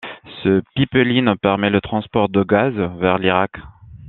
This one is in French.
Ce pipeline permet le transport de gaz vers l'Irak.